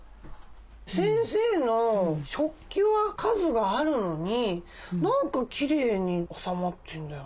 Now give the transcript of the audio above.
先生の食器は数があるのに何かきれいに収まってんだよな。